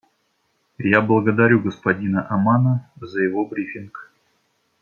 Я благодарю господина Амано за его брифинг.